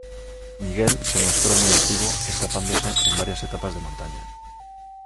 Miguel se mostró muy activo escapándose en varias etapas de montaña.